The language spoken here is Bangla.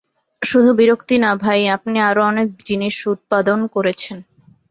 শুধু বিরক্তি না ভাই, আপনি আরো অনেক জিনিস উৎপাদন করেছেন।